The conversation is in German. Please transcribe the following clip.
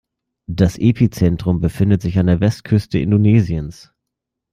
Das Epizentrum befindet sich an der Westküste Indonesiens.